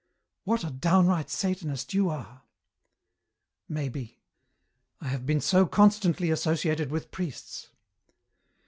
"What a downright Satanist you are!" "Maybe. I have been so constantly associated with priests."